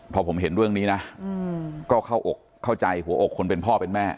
พอผมเห็นเรื่องนี้นะก็เข้าอกเข้าใจหัวอกคนเป็นพ่อเป็นแม่